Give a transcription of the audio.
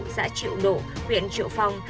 xã triệu độ huyện triệu phong